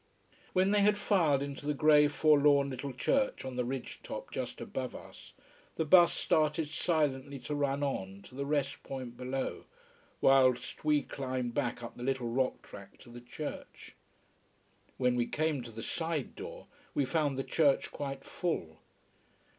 When they had filed into the grey, forlorn little church on the ridge top just above us, the bus started silently to run on to the rest point below, whilst we climbed back up the little rock track to the church. When we came to the side door we found the church quite full.